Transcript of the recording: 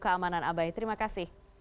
keamanan abai terima kasih